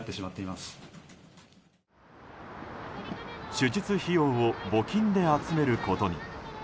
手術費用を募金で集めることに。